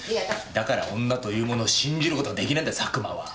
だから女というものを信じる事ができないんだ佐久間は。